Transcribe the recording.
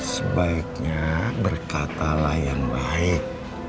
sebaiknya berkatalah yang baik